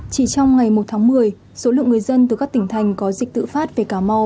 chỉ trong ngày một tháng một mươi số lượng người dân từ các tỉnh thành có dịch tự phát về cà mau